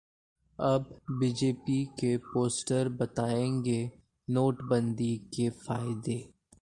अब बीजेपी के पोस्टर बताएंगे नोटबंदी के फायदे